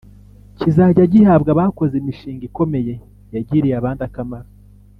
kizajya gihabwa abakoze imishinga ikomeye yagiriye abandi akamaro